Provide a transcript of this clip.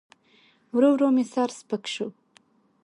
ورو ورو مې سر سپک سو.